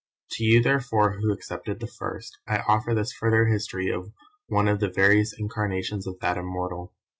To you therefore who accepted the first, I offer this further history of one of the various incarnations of that Immortal.